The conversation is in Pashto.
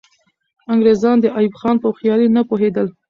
انګریزان د ایوب خان په هوښیاري نه پوهېدل.